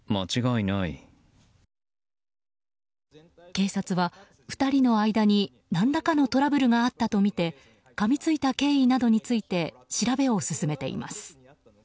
警察は２人の間に、何らかのトラブルがあったとみてかみついた経緯などについて調べを進めています。